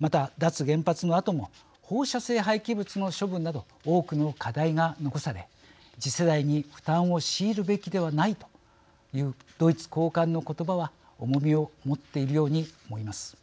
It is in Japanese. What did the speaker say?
また脱原発のあとも放射性廃棄物の処分など多くの課題が残され次世代に負担を強いるべきではないというドイツ高官の言葉は重みを持っているように思います。